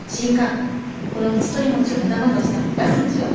このツチトリモチを目玉としたの出すんでしょ？